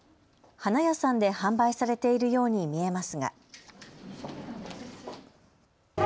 花屋さんで販売されているように見えますが。